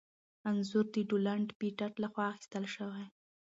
انځور د ډونلډ پېټټ لخوا اخیستل شوی.